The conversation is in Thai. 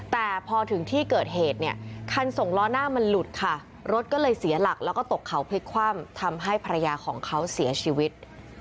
แต่พอถึงที่เกิดเหตุเนี่ยคันส่งล้อหน้ามันหลุดค่ะรถก็เลยเสียหลักแล้วก็ตกเขาพลิกคว่ำทำให้ภรรยาของเขาเสียชีวิต